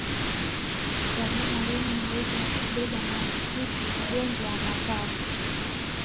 Wanyama wenye uwezo wa kubeba maambukizi ya ugonjwa wa mapafu